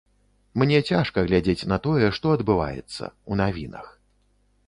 Мне цяжка глядзець на тое, што адбываецца, у навінах.